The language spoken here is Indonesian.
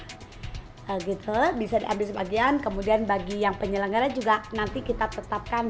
nah gitu bisa diambil sebagian kemudian bagi yang penyelenggara juga nanti kita tetapkan